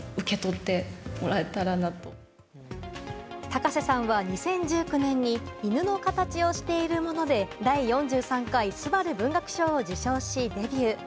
高瀬さんは２０１９年に「犬のかたちをしているもの」で第４３回すばる文学賞を受賞し、デビュー。